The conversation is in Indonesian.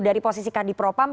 dari posisi kandipropam